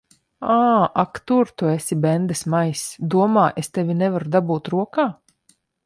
Ā! Ak tu tur esi, bendesmaiss! Domā, es tevi nevaru dabūt rokā.